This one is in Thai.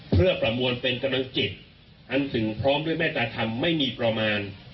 เพื่อประมวลเป็นกำลังจิตอันสิ่งพร้อมด้วยแม่ตาธรรมไม่มีประมาณ